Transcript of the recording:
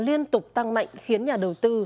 liên tục tăng mạnh khiến nhà đầu tư